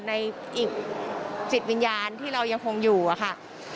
ในอีกจิตวิญญาณที่เรายังคงอยู่อะค่ะ